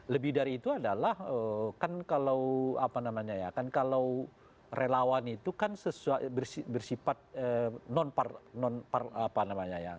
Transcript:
lebih dari itu adalah kan kalau relawan itu kan bersifat non partai